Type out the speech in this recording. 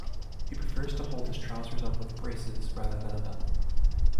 He prefers to hold his trousers up with braces rather than a belt